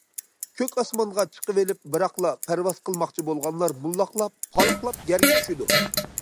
كۆك ئاسمانغا چىقىۋېلىپ بىراقلا پەرۋاز قىلماقچى بولغانلار موللاقلاپ، پالاقلاپ يەرگە چۈشىدۇ.